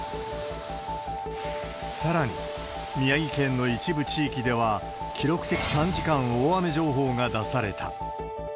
さらに、宮城県の一部地域では、記録的短時間大雨情報が出された。